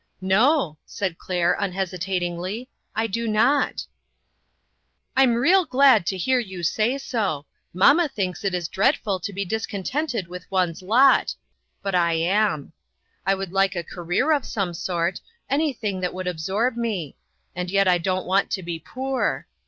" No," said Claire unhesitatingly, " I do not." " I'm real glad to hear you say so. Mam ma thinks it is dreadful to be discontented with one's lot ; but I am. I would like a career of some sort ; anything that would absorb me. And yet I don't want to be poor.